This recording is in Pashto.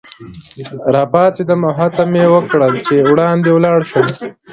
راپاڅېدم او هڅه مې وکړل چي وړاندي ولاړ شم.